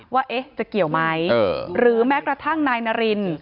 ว่าจะเกี่ยวไหมหรือแม้กระทั่งนายนาริน